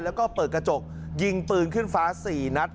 แล้วก็เปิดกระจกยิงปืนขึ้นฟ้า๔นัด